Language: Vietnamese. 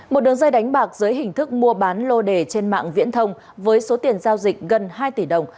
một đường dây đánh bạc dưới hình thức mua bán lô đề trên mạng viễn thông với số tiền giao dịch gần hai tỷ đồng